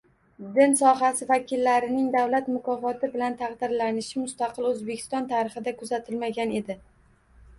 Din sohasi vakillarining davlat mukofoti bilan taqdirlanishi mustaqil Oʻzbekiston tarixida kuzatilmagan edi.